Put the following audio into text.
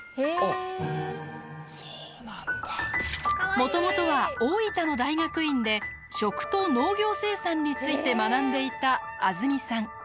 もともとは大分の大学院で食と農業生産について学んでいたあづみさん。